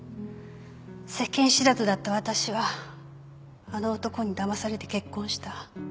世間知らずだった私はあの男にだまされて結婚した